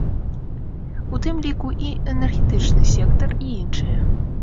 У тым ліку і энергетычны сектар, і іншыя.